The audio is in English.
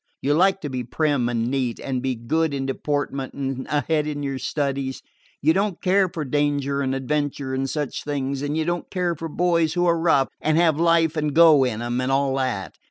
You like to be prim and neat, and to be good in deportment and ahead in your studies. You don't care for danger and adventure and such things, and you don't care for boys who are rough, and have life and go in them, and all that.